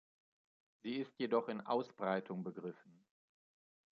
Sie ist jedoch in Ausbreitung begriffen.